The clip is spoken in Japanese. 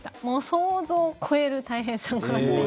想像を超える大変さ。